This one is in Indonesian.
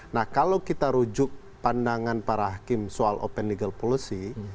nah kalau kita rujuk pandangan para hakim soal open legal policy